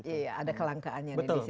iya ada kelangkaannya disini